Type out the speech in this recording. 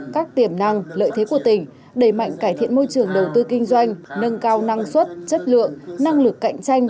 các tiềm năng lợi thế của tỉnh đẩy mạnh cải thiện môi trường đầu tư kinh doanh nâng cao năng suất chất lượng năng lực cạnh tranh